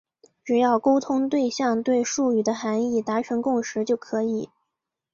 只要沟通对象对术语的含义达成共识就可以。